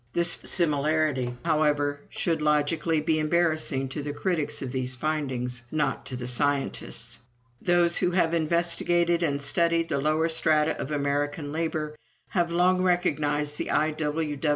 This similarity, however, should logically be embarrassing to the critics of these findings, not to the scientists. Those who have investigated and studied the lower strata of American labor have long recognized the I.